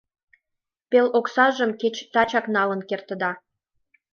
— Пел оксажым кеч тачак налын кертыда.